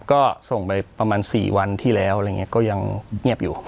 ก็ส่งไปประมาณ๔วันที่แล้วอะไรอย่างนี้ก็ยังเงียบอยู่